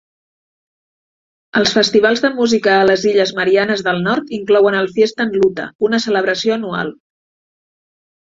Els festivals de música a les Illes Marianes del Nord inclouen el Fiestan Luta, una celebració anual.